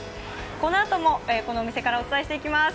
このあとも、このお店からお伝えしていきます。